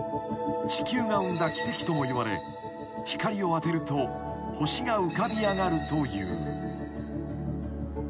［地球が生んだ奇跡ともいわれ光を当てると星が浮かび上がるという］